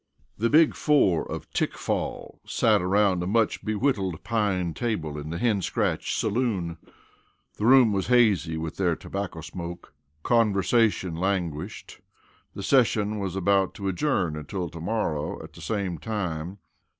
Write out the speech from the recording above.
The Big Four of Tickfall sat around a much bewhittled pine table in the Hen Scratch saloon. The room was hazy with their tobacco smoke. Conversation languished. The session was about to adjourn until to morrow at the same hour.